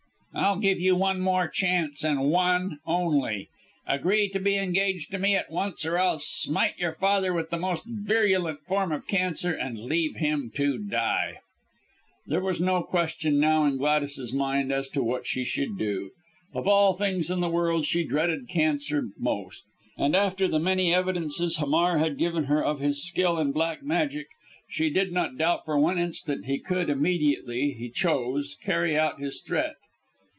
"I'll give you one more chance, and one only. Agree to be engaged to me at once or I'll smite your father with the most virulent form of cancer, and leave him to die." There was no question now in Gladys's mind as to what she should do. Of all things in the world, she dreaded cancer most, and after the many evidences Hamar had given her of his skill in Black Magic, she did not doubt for one instant that he could, immediately he chose, carry out his threat.